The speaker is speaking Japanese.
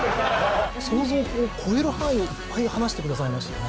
想像を超える範囲をいっぱい話してくださいましたね。